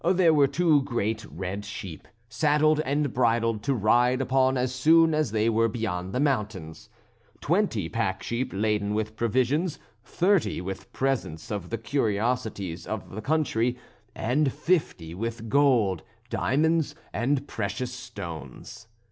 There were two great red sheep saddled and bridled to ride upon as soon as they were beyond the mountains, twenty pack sheep laden with provisions, thirty with presents of the curiosities of the country, and fifty with gold, diamonds, and precious stones.